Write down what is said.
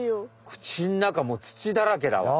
口ん中もう土だらけだわ。